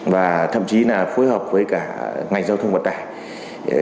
và thậm chí là phối hợp với cả ngành giao thông vận tải